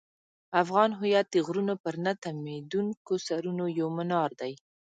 افغان هویت د غرونو پر نه تمېدونکو سرونو یو منار دی.